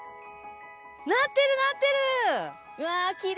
なってるなってる！